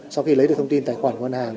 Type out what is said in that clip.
sau khi lấy được thông tin tài khoản ngân hàng